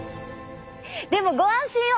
でもご安心を！